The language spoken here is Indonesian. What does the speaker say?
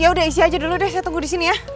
ya udah isi aja dulu deh saya tunggu di sini ya